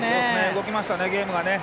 動きましたね、ゲームがね。